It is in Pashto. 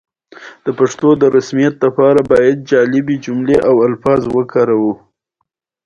دوکاندار د خپلو جنسونو قیمت برابر کوي.